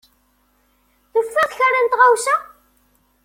Tufiḍ kra n tɣawsa?